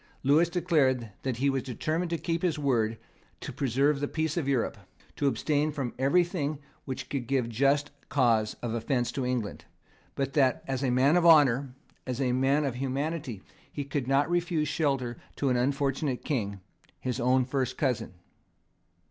Lewis declared that he was determined to keep his word, to preserve the peace of Europe, to abstain from everything which could give just cause of offence to England, but that, as a man of honour, as a man of humanity, he could not refuse shelter to an unfortunate King, his own first cousin.